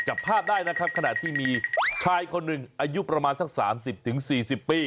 จับภาพได้นะครับขณะที่มีชายคนหนึ่งอายุประมาณสัก๓๐๔๐ปี